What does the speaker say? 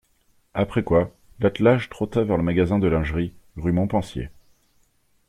Après quoi, l'attelage trotta vers le magasin de lingerie, rue Montpensier.